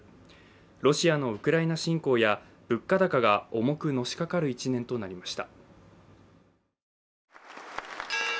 ロシアのウクライナ侵攻や物価高が重くのしかかる一年となりました。